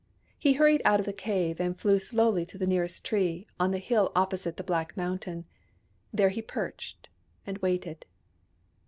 He hurried out of the cave, and flew slowly to the nearest tree, on the hill opposite the Black Mountain. There he perched and waited.